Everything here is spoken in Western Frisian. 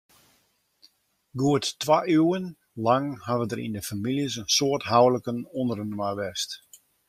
Goed twa iuwen lang hawwe der yn dy famyljes in soad houliken ûnderinoar west.